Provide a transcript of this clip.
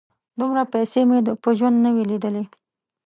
_دومره پيسې مې په ژوند نه وې لېدلې.